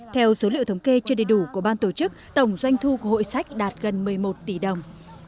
theo số liệu thống kê chưa đầy đủ của ban tổ chức tổng doanh thu của hội sách đạt gần một mươi một tỷ đồng